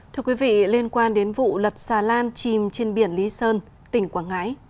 thưa quý vị liên quan đến vụ lật xà lan chìm trên biển lý sơn tỉnh quảng ngãi